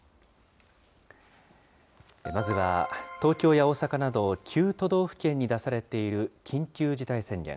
まずは、東京や大阪など、９都道府県に出されている緊急事態宣言。